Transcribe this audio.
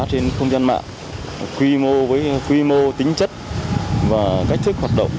trên không gian mạng quy mô với quy mô tính chất và cách thức hoạt động